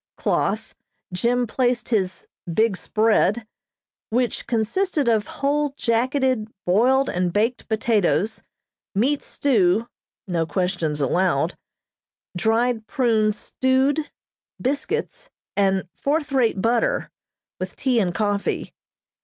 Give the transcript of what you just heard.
cloth Jim placed his "big spread," which consisted of whole jacketed boiled and baked potatoes, meat stew (no questions allowed), dried prunes stewed, biscuits, and fourth rate butter, with tea and coffee.